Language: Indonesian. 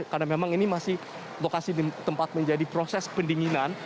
karena memang ini masih lokasi tempat menjadi proses pendinginan